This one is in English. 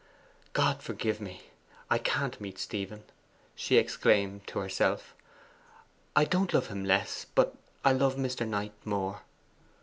'God forgive me I can't meet Stephen!' she exclaimed to herself. 'I don't love him less, but I love Mr. Knight more!